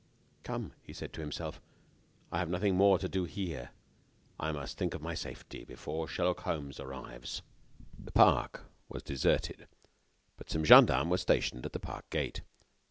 "Come!" he said to himself, "I have nothing more to do here. I must think of my safety, before Sherlock Holmes arrives." The park was deserted, but some gendarmes were stationed at the park gate.